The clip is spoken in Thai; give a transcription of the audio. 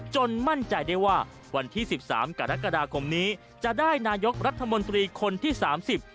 มั่นใจได้ว่าวันที่สิบสามกรกฎาคมนี้จะได้นายกรัฐมนตรีคนที่สามสิบ